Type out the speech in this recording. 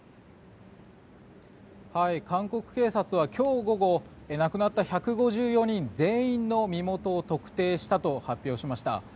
韓国警察は、今日午後亡くなった１５４人全員の身元を特定したと発表しました。